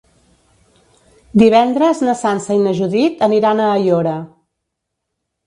Divendres na Sança i na Judit aniran a Aiora.